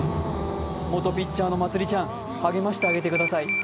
元ピッチャーのまつりちゃん励ましてあげてください。